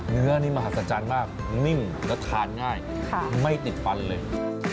เนื้อนี่มหัศจรรย์มากนิ่มแล้วทานง่ายไม่ติดฟันเลย